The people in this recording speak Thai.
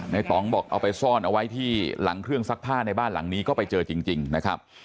ต่องบอกเอาไปซ่อนเอาไว้ที่หลังเครื่องซักผ้าในบ้านหลังนี้ก็ไปเจอจริงนะครับ